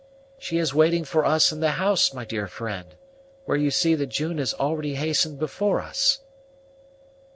"She is waiting for us in the house, my dear friend, where you see that June has already hastened before us."